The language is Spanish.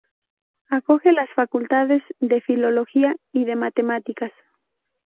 Acoge las facultades de Filología y de Matemáticas.